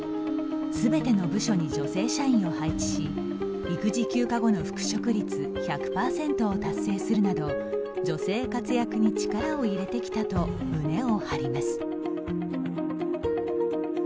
全ての部署に女性社員を配置し育児休暇後の復職率１００％を達成するなど女性活躍に力を入れてきたと胸を張ります。